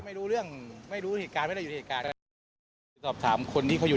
เขาบอกว่าด้านโน้นก็มีฝืนอยู่